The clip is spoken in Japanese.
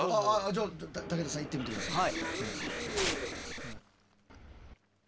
じゃあ武田さんいってみて下さい。